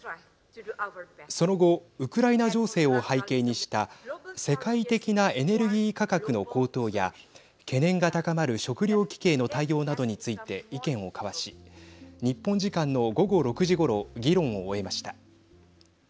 その後ウクライナ情勢を背景にした世界的なエネルギー価格の高騰や懸念が高まる食料危機への対応などについて意見を交わし日本時間の午後６時ごろ議論を終えました。